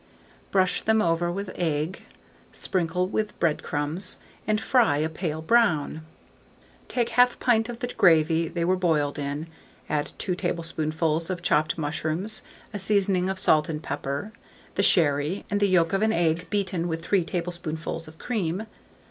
Brush these over with egg, sprinkle with bread crumbs, and fry a pale brown. Take 1/2 pint of the gravy they were boiled in, add 2 tablespoonfuls of chopped mushrooms, a seasoning of salt and pepper, the sherry, and the yolk of an egg beaten with 3 tablespoonfuls of cream.